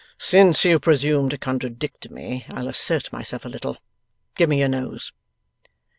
'Since you presume to contradict me, I'll assert myself a little. Give me your nose!